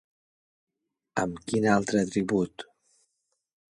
Amb quin altre atribut?